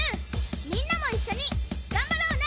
みんなも一緒に頑張ろうね！